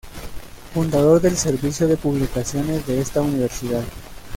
Fundador del Servicio de Publicaciones de esta Universidad.